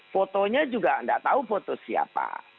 fotonya juga tidak tahu foto siapa